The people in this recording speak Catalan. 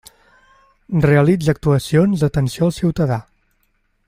Realitza actuacions d'atenció al ciutadà.